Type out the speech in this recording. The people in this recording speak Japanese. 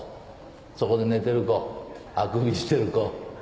そこで寝てる子あくびしてる子。